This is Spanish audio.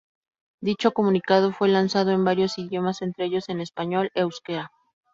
Dicho comunicado fue lanzado en varios idiomas, entre ellos en español y euskera.